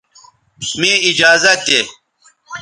مے ایجازت دے